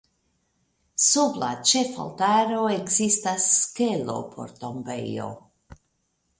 Sub la ĉefaltaro ekzistas kelo por tombejo.